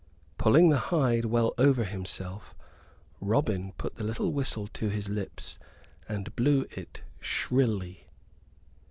Pulling the hide well over himself Robin put the little whistle to his lips and blew it shrilly.